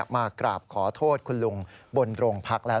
มากราบขอโทษคุณลุงบนโรงพักแล้ว